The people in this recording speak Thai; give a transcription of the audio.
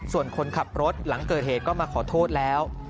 ส่วนคนขับรถหลังเกิดเหตุก็มาขอโทษแล้ว